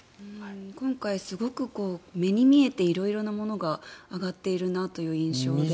今回、目に見えて色々なものが上がっているなという印象で。